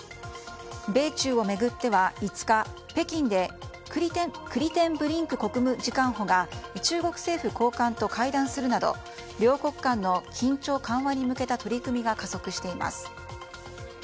米中を巡っては５日、北京でクリテンブリンク国務次官補が中国政府高官と会談するなど両国間の緊張緩和に向けた取り組みが加速しています。